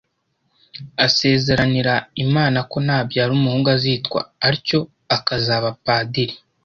asezeranira Imana ko nabyara umuhungu azitwa atyo akazaba padiri,